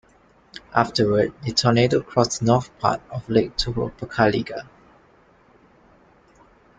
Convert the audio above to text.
Afterward, the tornado crossed the north part of Lake Tohopekaliga.